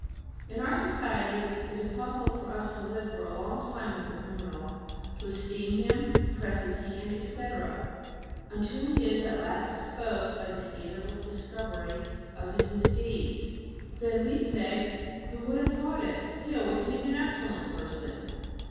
In our society it is possible for us to live for a long time with a criminal, to esteem him, press his hand, etc., until he is at last exposed by the scandalous discovery of his misdeeds. Then we say: "Who would have thought it? He always seemed an excellent person."